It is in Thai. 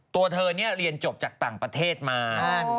ตัวเธอเนี่ยเรียนจบจากต่างประเทศมา